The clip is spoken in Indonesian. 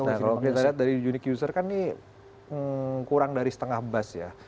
nah kalau kita lihat dari unique user kan ini kurang dari setengah buzz ya